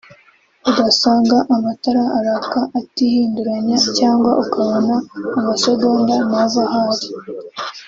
ugasanga amatara araka atihinduranya cyangwa ukabona amasegonda ntava aho ari